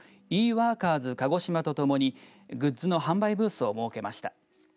ワーカーズ鹿児島とともにグッズの販売ブースを設けました。